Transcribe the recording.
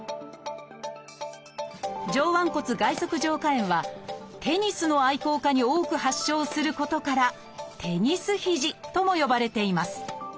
上腕骨外側上顆炎はテニスの愛好家に多く発症することから「テニス肘」とも呼ばれています。